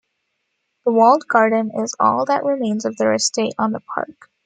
The walled garden is all that remains of their estate on the park.